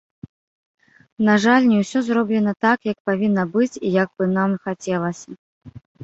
На жаль, не ўсё зроблена так, як павінна быць і як бы нам хацелася.